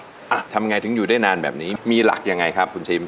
ทำอย่างไรถึงอยู่ได้นานแบบนี้มีหลักอย่างไรครับคุณซิม